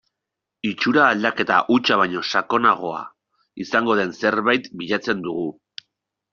Itxura aldaketa hutsa baino sakonagoa izango den zerbait bilatzen dugu.